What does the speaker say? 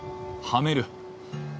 はめる？